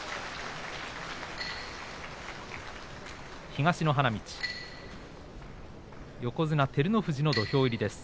東の花道、横綱照ノ富士の土俵入りです。